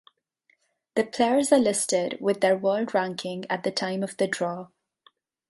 The players are listed with their world ranking at the time of the draw.